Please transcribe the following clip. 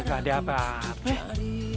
raga dia apa apa